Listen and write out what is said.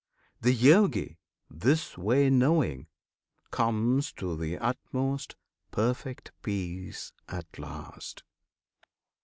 The Yogi, this way knowing, Comes to the Utmost Perfect Peace at last.